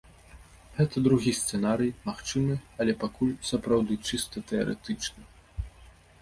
Гэта другі сцэнарый, магчымы, але пакуль сапраўды чыста тэарэтычны.